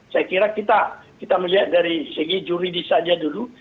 saya kira kita melihat dari segi juridis saja dulu